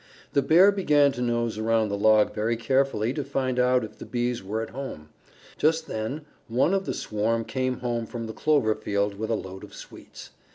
The Bear began to nose around the log very carefully to find out if the Bees were at home. Just then one of the swarm came home from the clover field with a load of sweets.